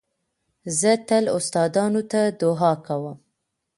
زه تل استادانو ته دؤعا کوم.